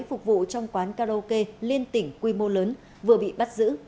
phục vụ trong quán karaoke liên tỉnh quy mô lớn vừa bị bắt giữ